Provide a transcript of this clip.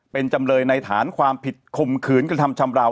เป็นจำเลยในฐานความผิดคมขืนกระทำชำราว